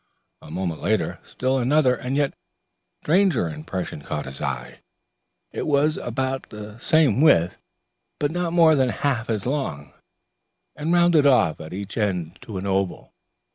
A moment later, still another and yet stranger impression caught his eye. It was about the same width, but not more than half as long, and rounded off at each end to an oval.